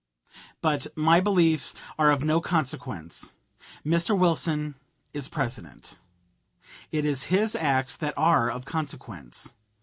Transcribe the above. But my beliefs are of no consequence. Mr. Wilson is President. It is his acts that are of consequence.